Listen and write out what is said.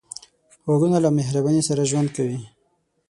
غوږونه له مهرباني سره ژوند کوي